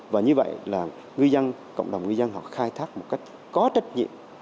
và như vậy là ngư dân cộng đồng ngư dân họ khai thác một cách có trách nhiệm